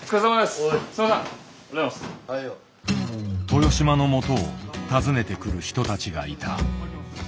豊島のもとを訪ねてくる人たちがいた。